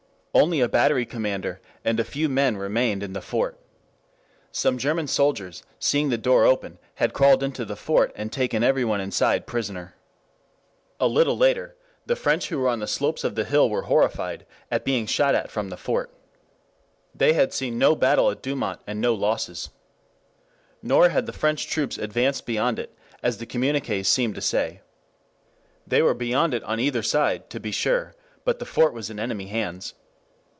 Only a battery commander and a few men remained in the fort. Some German soldiers, seeing the door open, had crawled into the fort, and taken everyone inside prisoner. A little later the French who were on the slopes of the hill were horrified at being shot at from the fort. There had been no battle at Douaumont and no losses. Nor had the French troops advanced beyond it as the communiqués seemed to say. They were beyond it on either side, to be sure, but the fort was in enemy hands.